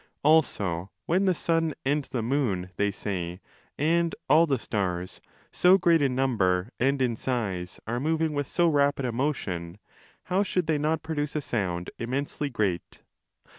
Also, when the sun and the moon, they say, and all the stars, so great in number and in size, 20 are moving with so rapid a motion, how should they not produce a sound immensely great?